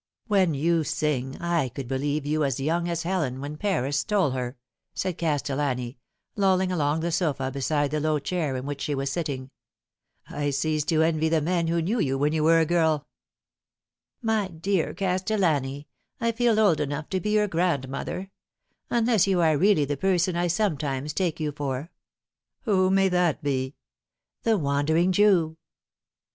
"When you sing I could believe you as young as Helen when Paris stole her," said Castellani, lolling along the sofa beside the low chair in which she was sitting ;" I cease to envy the men who knew you when you were a girl." 136 The Fatal Three. " My dear Castellani, I feel old enough to be your grand mother ; unless you are really the person I sometimes take you for" "Who may that be?" " The Wandering Jew."